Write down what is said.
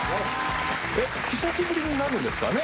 久しぶりになるんですかね？